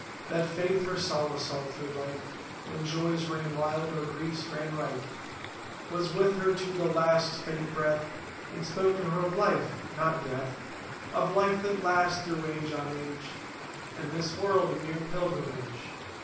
That Faith, her solace all through life; When joys ran wild or griefs ran rife. 218 Was with her to the last faint breath And spoke to her of Life—not Death— Of Life that lasts through age on age, And this world—a mere pilgrimage.